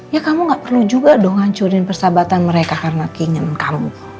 ya kamu gak perlu juga dong ngancurin persahabatan mereka karena keinginan kamu